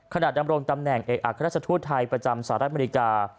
ขนาดอำรงค์ตำแหน่งเอกอัครราชทูตไทยประจำศาลอเมริกา